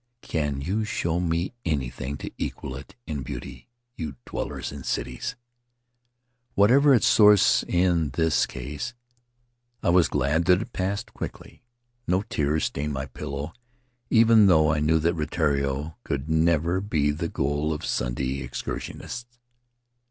Can you show me anything to equal it in beauty, you dwellers in cities? ' Whatever its source in this case, I was glad that it passed quickly. No tears stained my pillow, even though I knew that Rutiaro could never be the goal of Sunday excursionists.